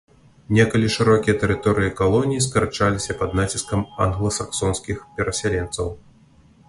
Некалі шырокія тэрыторыі калоніі скарачаліся пад націскам англасаксонскіх перасяленцаў.